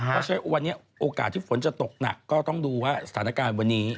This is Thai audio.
เพราะฉะนั้นวันนี้โอกาสที่ฝนจะตกหนักก็ต้องดูว่าสถานการณ์วันนี้